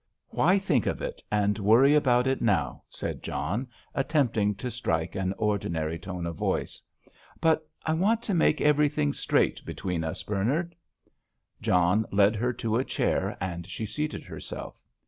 "Why think of it and worry about it now?" said John, attempting to strike an ordinary tone of voice. "But I want to make everything straight between us, Bernard." John led her to a chair, and she seated herself.